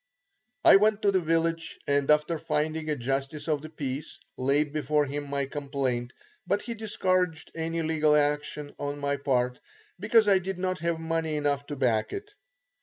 I went to the village and after finding a justice of the peace, laid before him my complaint, but he discouraged any legal action on my part because I did not have money enough to back it.